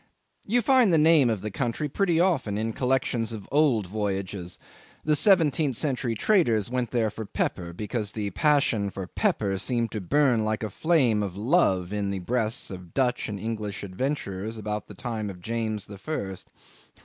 You find the name of the country pretty often in collections of old voyages. The seventeenth century traders went there for pepper, because the passion for pepper seemed to burn like a flame of love in the breast of Dutch and English adventurers about the time of James the First.